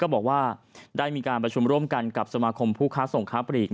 บอกว่าได้มีการประชุมร่วมกันกับสมาคมผู้ค้าส่งค้าปลีก